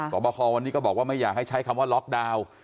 บคอวันนี้ก็บอกว่าไม่อยากให้ใช้คำว่าล็อกดาวน์